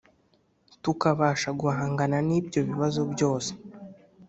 Tukabasha guhangana n ibyo bibazo byose